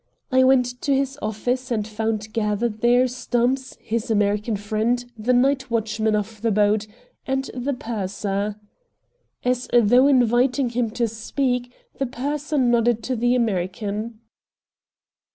I went to his office, and found gathered there Stumps, his American friend, the night watchman of the boat, and the purser. As though inviting him to speak, the purser nodded to the American.